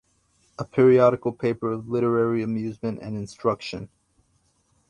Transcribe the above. A Periodical Paper of Literary Amusement and Instruction.